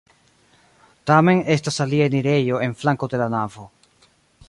Tamen estas alia enirejo en flanko de la navo.